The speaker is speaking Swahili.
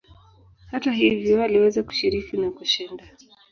Hata hivyo aliweza kushiriki na kushinda.